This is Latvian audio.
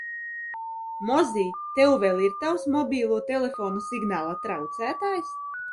Mozij, tev vēl ir tavs mobilo telefonu signāla traucētājs?